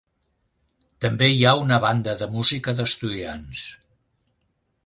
També hi ha una banda de música d'estudiants.